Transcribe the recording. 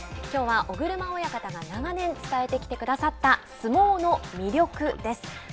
きょうは尾車親方が長年伝えてきてくださった相撲の魅力です。